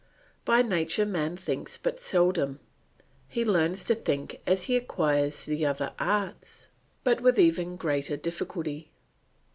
By nature man thinks but seldom. He learns to think as he acquires the other arts, but with even greater difficulty.